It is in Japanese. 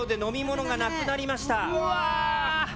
うわ！